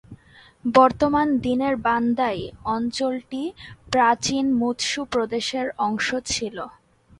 বর্তমান দিনের বান্দাই অঞ্চলটি প্রাচীন মুৎসু প্রদেশের অংশ ছিল।